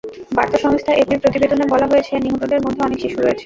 বার্তা সংস্থা এপির প্রতিবেদনে বলা হয়েছে, নিহতদের মধ্যে অনেক শিশু রয়েছে।